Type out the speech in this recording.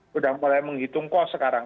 sudah mulai menghitung kos sekarang